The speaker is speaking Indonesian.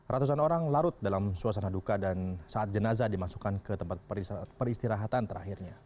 ratusan orang larut dalam suasana duka dan saat jenazah dimasukkan ke tempat peristirahatan terakhirnya